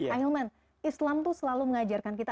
ahilman islam itu selalu mengajarkan kita